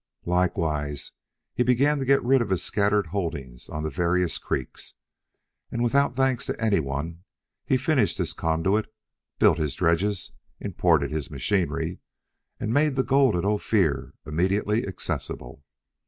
Likewise, he began to get rid of his scattered holdings on the various creeks, and without thanks to any one he finished his conduit, built his dredges, imported his machinery, and made the gold of Ophir immediately accessible.